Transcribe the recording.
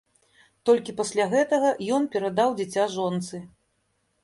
Толькі пасля гэтага ён перадаў дзіця жонцы.